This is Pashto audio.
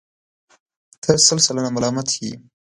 ته سل سلنه ملامت یې.